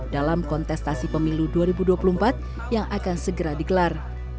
dalam kontestasi pemilu dua ribu dua puluh empat yang akan segera digelar